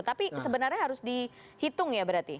tapi sebenarnya harus dihitung ya berarti